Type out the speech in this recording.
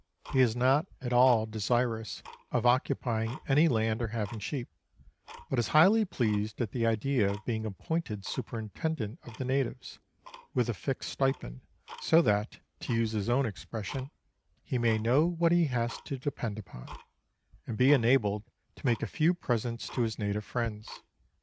He is not at all desirous of occupying any laud or having sheep, but is highly pleased at the idea of being appointed superintendent of the natives, with a fixed stipend, so that, to use his own expression, " he may know what he has to depend upon," and be enabled to make a few presents to his native friends.